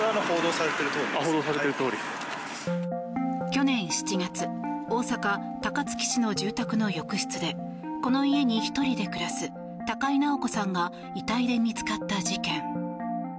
去年７月大阪・高槻市の住宅の浴室でこの家に１人で暮らす高井直子さんが遺体で見つかった事件。